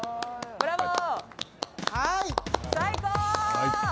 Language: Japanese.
ブラボー！